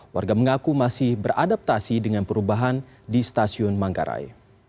warga mengaku masih beradaptasi dengan perubahan di stasiun manggarai